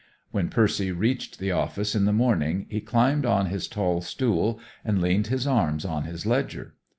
When Percy reached the office in the morning he climbed on his tall stool and leaned his arms on his ledger.